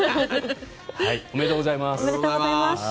おめでとうございます。